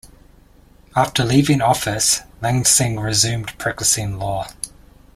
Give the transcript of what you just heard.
After leaving office Lansing resumed practicing law.